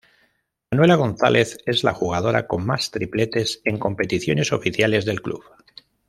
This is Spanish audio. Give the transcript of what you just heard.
Manuela González es la jugadora con más tripletes en competiciones oficiales del club.